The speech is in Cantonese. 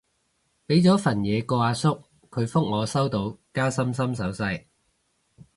畀咗份嘢個阿叔，佢覆我收到加心心手勢